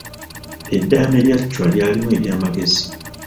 Eddaame lya Chwa lyalimu eby’amagezi.